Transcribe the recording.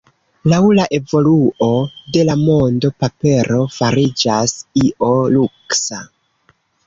Laŭ la evoluo de la mondo papero fariĝas io luksa.